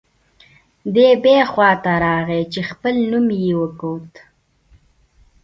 دی بیا خوا ته راغی چې خپل نوم یې وکوت.